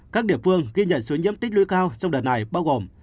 các địa phương ghi nhận số nhiễm tích lũy cao trong đợt này bao gồm